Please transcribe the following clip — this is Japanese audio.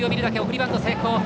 送りバント成功。